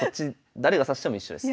誰が指しても一緒です。